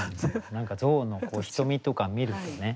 何か象の瞳とか見るとね